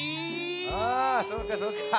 ああそうかそうか。